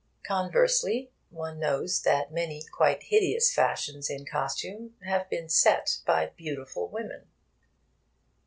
Conversely, one knows that many quite hideous fashions in costume have been set by beautiful women.